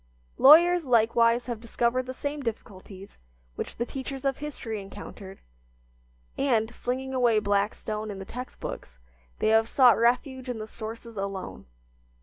Lawyers likewise have discovered the same difficulties which the teachers of history encountered, and, flinging away Blackstone and the text books, they have sought refuge in the sources alone.